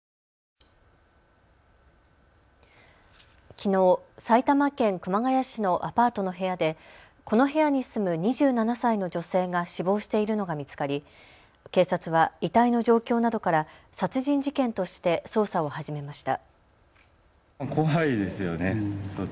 きのう埼玉県熊谷市のアパートの部屋でこの部屋に住む２７歳の女性が死亡しているのが見つかり警察は遺体の状況などから殺人事件として捜査を始めました。